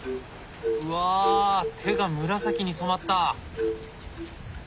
うわ手が紫に染まった！